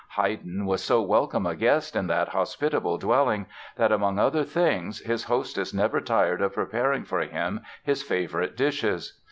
Haydn was so welcome a guest in that hospitable dwelling that, among other things, his hostess never tired of preparing for him his favorite dishes.